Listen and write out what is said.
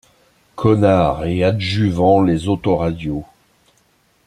Connard et Adjuvants Les autoradios.